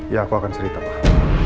ya aku akan cerita lah